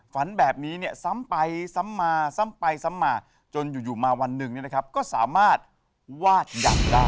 ฝันแบบนี้เนี่ยซ้ำไปซ้ำมาซ้ำไปซ้ำมาจนอยู่มาวันหนึ่งก็สามารถวาดยักษ์ได้